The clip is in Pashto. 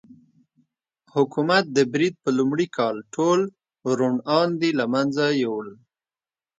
حکومت د برید په لومړي کال ټول روڼ اندي له منځه یووړل.